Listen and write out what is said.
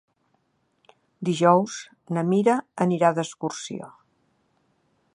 Dijous na Mira anirà d'excursió.